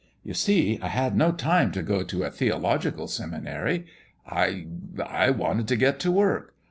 You see, I had no time to go to a theological seminary. I I wanted to get to work.